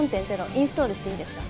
インストールしていいですか？